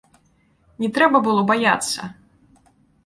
Не трэба было баяцца.